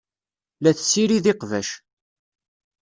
La tessirid iqbac.